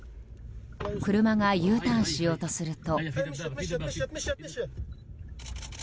車がＵターンしようとすると。